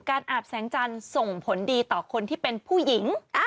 อาบแสงจันทร์ส่งผลดีต่อคนที่เป็นผู้หญิง